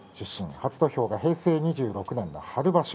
初土俵が平成２６年春場所。